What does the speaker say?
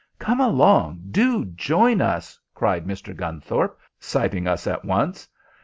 "Come along. Do join us!" cried Mr. Gunthorpe, sighting us at once.